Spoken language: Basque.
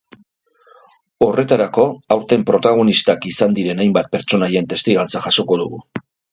Horretarako aurten protagonistak izan diren hainbat pertsonaien testigantza jasoko dugu.